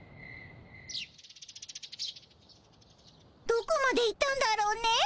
どこまで行ったんだろうねえ。